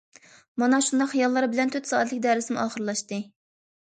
مانا شۇنداق خىياللار بىلەن تۆت سائەتلىك دەرسمۇ ئاخىرلاشتى.